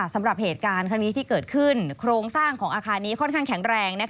สำหรับเหตุการณ์ครั้งนี้ที่เกิดขึ้นโครงสร้างของอาคารนี้ค่อนข้างแข็งแรง